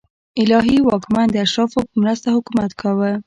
الهي واکمن د اشرافو په مرسته حکومت کاوه.